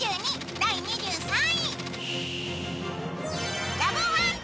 第２３位。